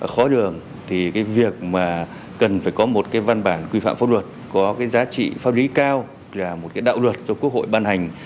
khó đường thì việc cần phải có một văn bản quy phạm pháp luật có giá trị pháp lý cao là một đạo luật cho quốc hội ban hành